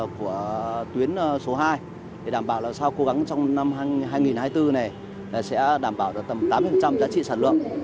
của tuyến số hai để đảm bảo là sau cố gắng trong năm hai nghìn hai mươi bốn này sẽ đảm bảo tầm tám mươi giá trị sản lượng